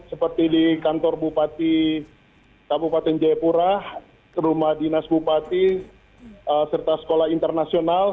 seperti di kantor bupati kabupaten jayapura rumah dinas bupati serta sekolah internasional